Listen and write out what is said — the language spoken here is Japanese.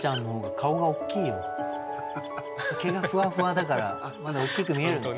毛がふわふわだからまだ大きく見える。